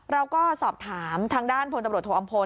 เราก็สอบถามทางด้านพลตำรวจโทอำพล